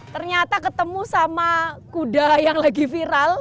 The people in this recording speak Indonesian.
ternyata ketemu sama kuda yang lagi viral